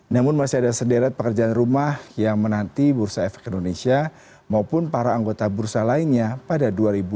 namun masih ada sederet pekerjaan rumah yang menanti bursa efek indonesia maupun para anggota bursa lainnya pada dua ribu dua puluh